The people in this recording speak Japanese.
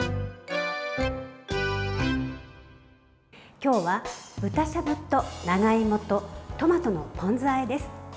今日は豚しゃぶと長芋とトマトのポン酢あえです。